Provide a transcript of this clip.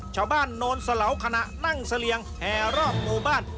ชาวบ้านโน่นสะเหล่าขณะนั่งเสลียงแห่รอบหมู่บ้าน